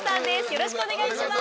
よろしくお願いします。